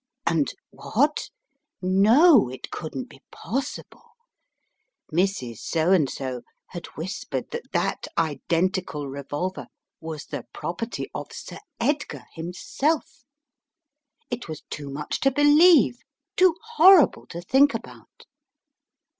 And — what? No, it couldn't be possible! Mrs. So and So had whispered that that identical revolver was the property of Sir Edgar himself! It was too much to believe; too horrible to think about!